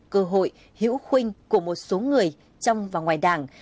cơ hội hiểu khuyên của một số người trong và ngoài đảng